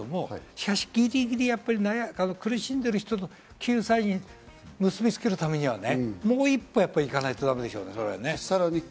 しかし、ぎりぎり苦しんでる人の救済に結びつけるにはもう一歩行かないとだめでしょう、これは。